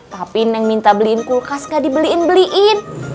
tapi neng minta beliin kulkas gak dibeliin beliin